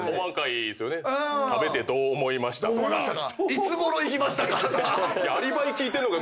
「いつごろ行きましたか？」とか。